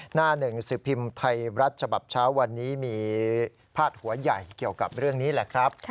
หน้าหนึ่งสิบพิมพ์ไทยรัฐฉบับเช้าวันนี้มีพาดหัวใหญ่เกี่ยวกับเรื่องนี้แหละครับ